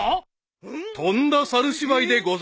［とんだ猿芝居でござる］